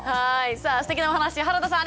さあすてきなお話原田さん